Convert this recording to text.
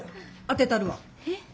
当てたるわ。